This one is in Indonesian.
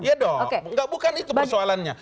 iya dong bukan itu persoalannya